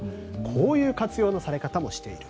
こういう活用のされ方もしている。